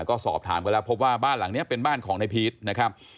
ก็สอบถามกันแล้วพบว่าบ้านหลังนี้เป็นบ้านของนายพีชนะครับ